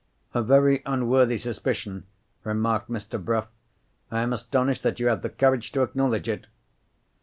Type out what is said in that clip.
"A very unworthy suspicion," remarked Mr. Bruff. "I am astonished that you have the courage to acknowledge it."